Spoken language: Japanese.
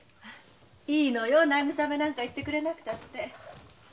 いいの慰めなんか言ってくれなくたって。